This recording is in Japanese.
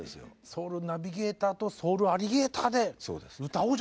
ソウルナビゲーターとソウルアリゲーターで歌おうじゃないか。